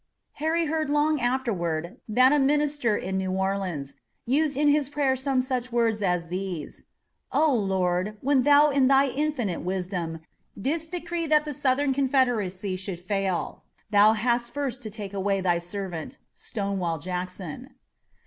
Harry heard long afterward that a minister in New Orleans used in his prayer some such words as these, "Oh, Lord, when Thou in Thy infinite wisdom didst decree that the Southern Confederacy should fail, Thou hadst first to take away Thy servant, Stonewall Jackson."